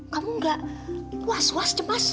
kamu gak was was cemas